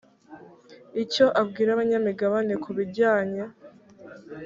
icyo abwira abanyamigabane ku bijyanye